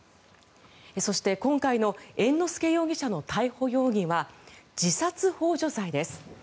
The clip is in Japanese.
そして、今回の猿之助容疑者の逮捕容疑は自殺ほう助罪です。